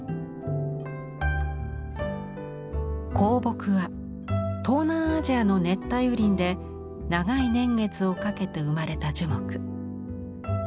香木は東南アジアの熱帯雨林で長い年月をかけて生まれた樹木。